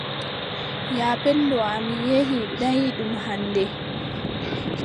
Yaapenndo am yehi daayiiɗum hannde.